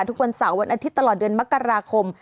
ทุกวันเสาร์วันอาทิตย์ตลอดเดือนมกราคม